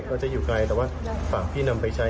ก็จะอยู่ไกลแต่ว่าฝั่งพี่นำไปใช้